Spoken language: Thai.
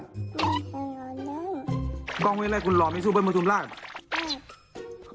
ประกองห่วยไรคุณหล่อไม่สู้เบิ้ลประทุมราช